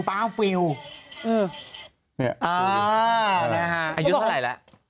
อายุเท่าไหร่ละ